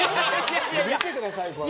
見てください、これ。